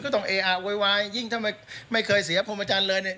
ก็ต้องเอออ่าโวยวายยิ่งถ้าไม่ไม่เคยเสียพรหมจรรย์เลยเนี่ย